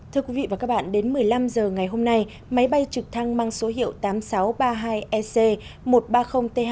thưa quý vị và các bạn đến một mươi năm h ngày hôm nay máy bay trực thăng mang số hiệu tám nghìn sáu trăm ba mươi hai ec một trăm ba mươi t hai